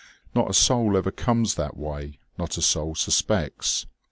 Not a soul ever comes that way, not a soul suspects.